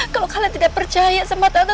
kalau kalian tidak percaya sama tante